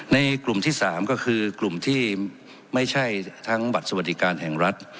ในกลุ่มที่๓ก็คือกลุ่มที่ไม่ใช่ทั้งบัตรสวัสดิการแห่งรัฐ